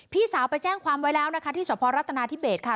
พี่สาวไปแจ้งความไว้แล้วนะคะที่สพรัฐนาธิเบสค่ะ